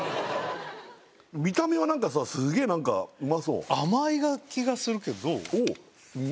見た目はなんかさすげえなんかうまそう甘い気がするけどどう？